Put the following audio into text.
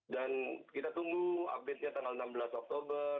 dan kita tunggu update nya tanggal enam belas oktober